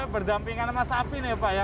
berdampingan sama sapi nih ya pak ya